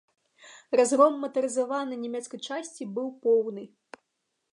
Разгром матарызаванай нямецкай часці быў поўны.